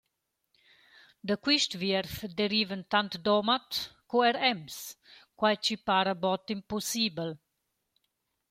Da quist vierv derivan tant Domat sco eir Ems, quai chi para bod impussibel.